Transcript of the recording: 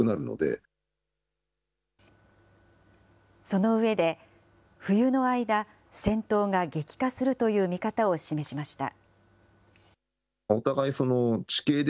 その上で、冬の間、戦闘が激化するという見方を示しました。